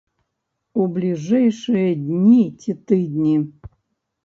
У бліжэйшыя дні ці тыдні.